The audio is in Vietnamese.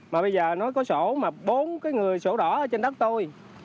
mà bây giờ nó có sổ mà bốn cái người sổ đỏ ở trên đất tôi